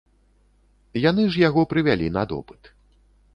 Яны ж яго прывялі на допыт.